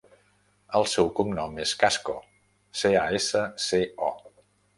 El seu cognom és Casco: ce, a, essa, ce, o.